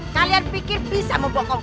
terpikir bisa membokong